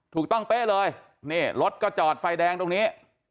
ถูกต้องเป๊ะเลยรถก็จอดไฟแดงตรงนี้